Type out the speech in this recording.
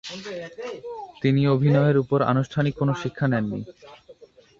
তিনি অভিনয়ের উপর আনুষ্ঠানিক কোন শিক্ষা নেন নি।